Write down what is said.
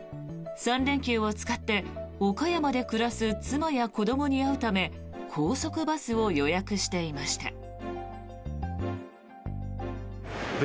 ３連休を使って岡山で暮らす妻や子どもに会うため高速バスを予約していました。